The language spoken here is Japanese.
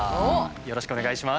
よろしくお願いします。